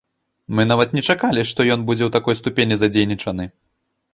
Мы нават не чакалі, што ён будзе ў такой ступені задзейнічаны.